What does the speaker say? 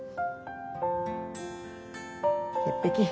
鉄壁。